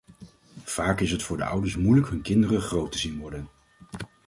Vaak is het voor de ouders moeilijk hun kinderen groot te zien worden.